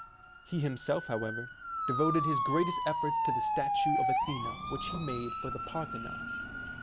He himself, however, devoted his greatest efforts to the statue of Athena which he made for the Parthenon.